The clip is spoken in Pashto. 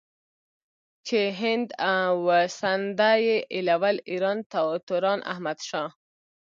چې هند او سندھ ئې ايلول ايران توران احمد شاه